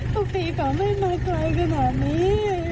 พวกพี่เขาไม่มาไกลขนาดนี้